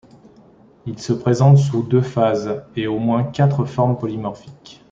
Il se présente sous deux phases et au moins quatre formes polymorphiques.